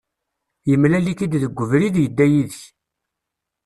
Yemlal-ik-id deg ubrid, yedda yid-k.